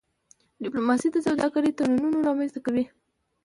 ډيپلوماسي د سوداګرۍ تړونونه رامنځته کوي.